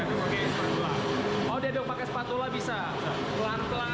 oh diaduk pakai spatula bisa